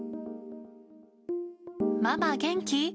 ママ元気？